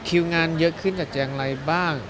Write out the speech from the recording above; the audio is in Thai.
คิวงานเยอะขึ้นจัดแจงอะไรบ้าง